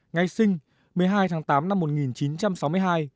ngày sinh một mươi hai tháng tám năm một nghìn chín trăm sáu mươi hai